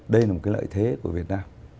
đây là một cái lợi thế của việt nam